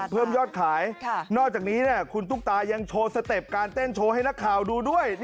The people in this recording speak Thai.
เพิ่มยอดขายนอกจากนี้คุณตุ๊กตายังโชว์สเต็ปการเต้นโชว์ให้นักข่าวดูด้วย